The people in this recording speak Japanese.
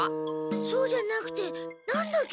そうじゃなくてなんだっけ？